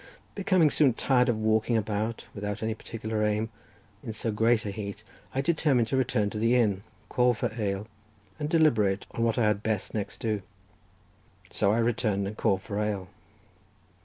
Becoming soon tired of walking about, without any particular aim, in so great a heat, I determined to return to the inn, call for ale, and deliberate on what I had best next do. So I returned and called for ale.